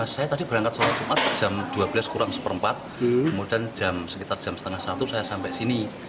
saya tadi berangkat sholat jumat jam dua belas kurang seperempat kemudian sekitar jam setengah satu saya sampai sini